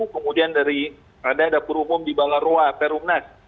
kemudian dari ada dapur umum di balaroa perumnas